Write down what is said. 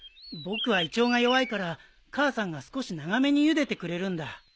僕は胃腸が弱いから母さんが少し長めにゆでてくれるんだ。